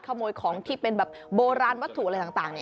ขโมยของที่เป็นแบบโบราณวัตถุอะไรต่าง